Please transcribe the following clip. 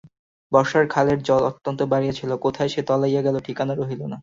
বর্ষায় খালের জল অত্যন্ত বাড়িয়াছিল– কোথায় সে তলাইয়া গেল ঠিকানা রহিল না।